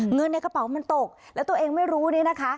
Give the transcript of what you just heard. เงินในกระเป๋ามันตกแล้วตัวเองไม่รู้เนี่ยนะคะ